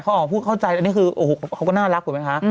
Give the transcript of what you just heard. เขาออกพูดเข้าใจอันนี้คือเขาก็น่ารักเหรอไหมคะ